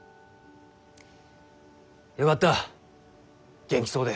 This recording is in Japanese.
よかった元気そうで。